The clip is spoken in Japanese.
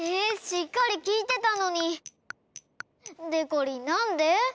しっかり聞いてたのに！でこりんなんで？